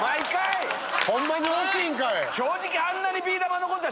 ホンマに惜しいんかい！